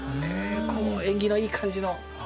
この縁起のいい感じの。